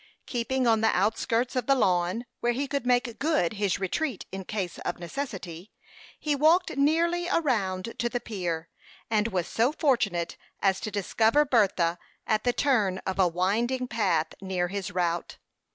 Keeping on the outskirts of the lawn, where he could make good his retreat in case of necessity, he walked nearly around to the pier, and was so fortunate as to discover Bertha at the turn of a winding path, near his route.